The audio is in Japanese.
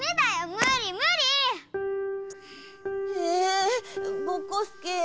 むりむり！ええぼこすけ。